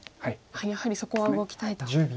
やはりそこは動きたいと。